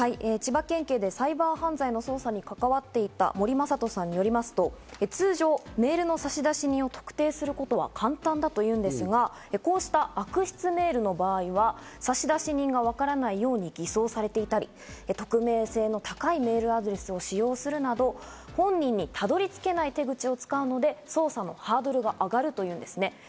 千葉県警でサイバー犯罪の捜査に関わっていた森雅人さんによると、通常、メールの差出人を特定することは簡単だといいますが、こうした悪質メールの場合、差出人がわからないように偽装されていたり、匿名性の高いメールアドレスを使用したりするなど、本人にたどり着けない手口を使うケースがあるので捜査のハードルは上がると言うんですね。